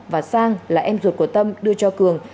và sang là em ruột của tâm đưa cho cường